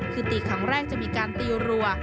คือตีครั้งแรกจะมีการตีรัว